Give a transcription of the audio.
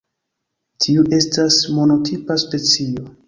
Tiu estas monotipa specio.